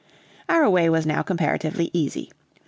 Our way was now comparatively easy.